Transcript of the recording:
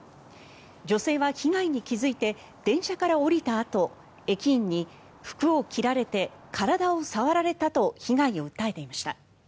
女性は被害に気付いて電車から降りたあと駅員に服を切られて体を触られたと被害を訴えていました。